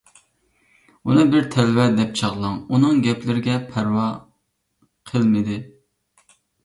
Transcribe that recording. ئۇنى بىر تەلۋە دەپ چاغلاپ، ئۇنىڭ گەپلىرىگە پەرۋا قىلمىدى.